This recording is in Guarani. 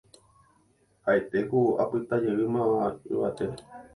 ha'ete ku apytajeýmava yvate